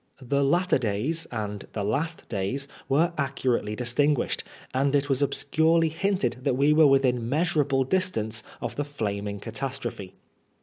The latter days and the last days were accurately distinguished, and it was obscurely hinted that we were within measurable distance of the flaming catastrophe.